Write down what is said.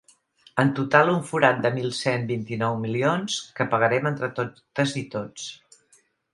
En total, un forat de mil cent vint-i-nou milions que pagarem entre totes i tots.